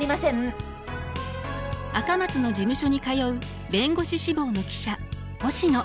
赤松の事務所に通う弁護士志望の記者星野。